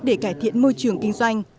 để cải thiện môi trường kinh doanh